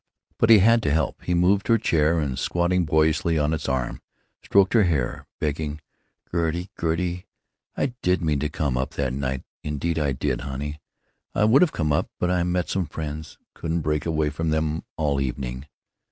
But he had to help. He moved to her chair and, squatting boyishly on its arm, stroked her hair, begging: "Gertie, Gertie, I did mean to come up, that night. Indeed I did, honey. I would have come up, but I met some friends—couldn't break away from them all evening."